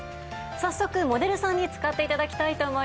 早速モデルさんに使って頂きたいと思います。